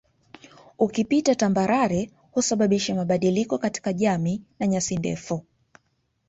Ukipita tambarare husababisha mabadiliko katika jami na nyasi ndefu